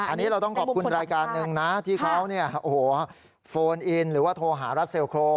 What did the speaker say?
อันนี้เราต้องขอบคุณรายการหนึ่งนะที่เขาโฟนอินหรือว่าโทรหารัสเซลโคร